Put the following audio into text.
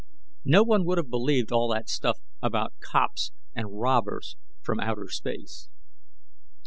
No one would have believed all that stuff about cops and robbers from outer space.